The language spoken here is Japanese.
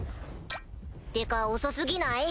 ってか遅過ぎない？